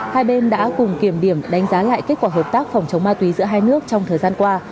hai bên đã cùng kiểm điểm đánh giá lại kết quả hợp tác phòng chống ma túy giữa hai nước trong thời gian qua